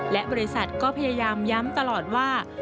และบริษัทก็พยายามย้ำตลอดว่า